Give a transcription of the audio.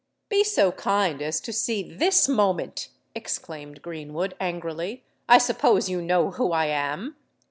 "Be so kind as to see this moment," exclaimed Greenwood, angrily. "I suppose you know who I am?"